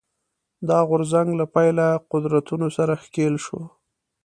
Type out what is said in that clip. دا غورځنګ له پیله قدرتونو سره ښکېل شو